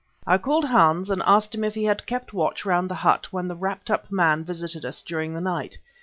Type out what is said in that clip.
I called Hans and asked him if he had kept watch round the hut when the wrapped up man visited us during the night.